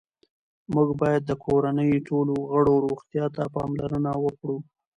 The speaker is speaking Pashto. موږ باید د کورنۍ ټولو غړو روغتیا ته پاملرنه وکړو